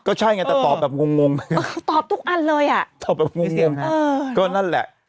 ก็ใช่ไงแต่ตอบแบบงงงตอบทุกอันเลยอ่ะตอบแบบงงก็นั่นแหละ